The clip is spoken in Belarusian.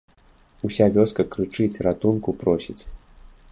Уся вёска крычыць, ратунку просіць.